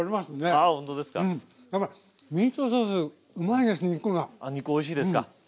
あ肉おいしいですか。